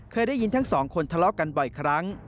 เคยได้ยินทั้งสองคนทะเลาะกันบ่อยครั้ง